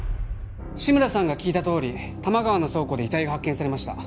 志村さんが聞いたとおり多摩川の倉庫で遺体が発見されました